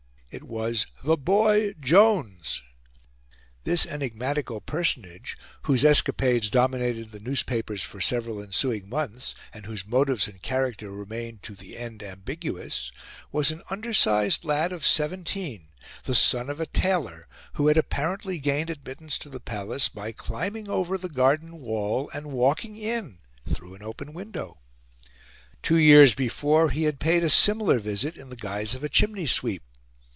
It was "the boy Jones." This enigmatical personage, whose escapades dominated the newspapers for several ensuing months, and whose motives and character remained to the end ambiguous, was an undersized lad of 17, the son of a tailor, who had apparently gained admittance to the Palace by climbing over the garden wall and walking in through an open window. Two years before he had paid a similar visit in the guise of a chimney sweep.